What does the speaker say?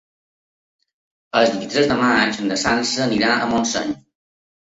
El vint-i-tres de maig na Sança anirà a Montseny.